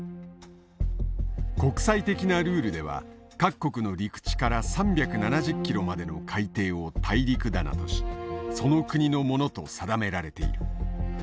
国際的なルールでは各国の陸地から３７０キロまでの海底を大陸棚としその国のものと定められている。